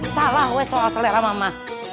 salah weh soal selera mama